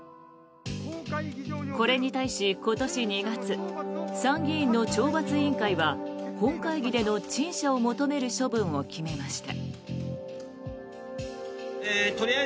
これに対し、今年２月参議院の懲罰委員会は本会議での陳謝を求める処分を決めました。